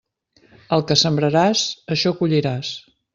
El que sembraràs, això colliràs.